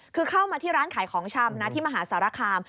คือเข้ามาที่ร้านขายของชำนะที่มหาสารคาม